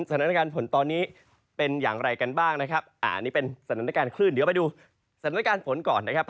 สถานการณ์ฝนตอนนี้เป็นอย่างไรกันบ้างนะครับ